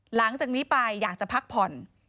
หลังจากนี้ไปอยากจะพักผ่อน